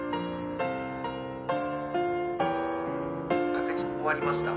確認終わりました。